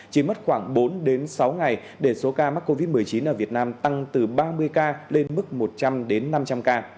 chỉ mất khoảng bốn sáu ngày để số ca mắc covid một mươi chín ở việt nam tăng từ ba mươi ca lên mức một trăm linh đến năm trăm linh ca